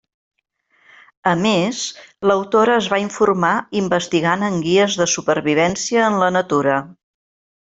A més, l'autora es va informar investigant en guies de supervivència en la natura.